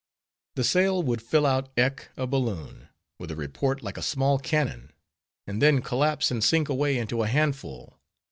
The sail would fill out like a balloon, with a report like a small cannon, and then collapse and sink away into a handful.